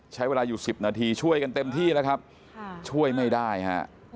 ใช้เวลาอยู่๑๐นาทีช่วยกันเต็มที่แล้วครับช่วยไม่ได้ฮะ